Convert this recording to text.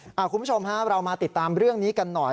คุณผู้ชมฮะเรามาติดตามเรื่องนี้กันหน่อย